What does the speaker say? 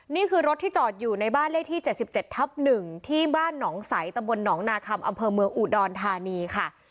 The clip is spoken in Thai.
นี่คือรถที่จอดอยู่ในบ้านเลขที่๗๗ทับ๑ที่บ้านหนองใสตำบลหนองนาคำอำเภอเมืองอุดรธานีค่ะ